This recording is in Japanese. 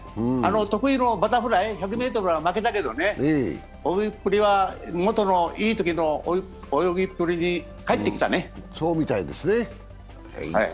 得意のバタフライ、１００ｍは負けたけど、泳ぎっぷりは元のいいときの泳ぎっぷりに帰ってきたね。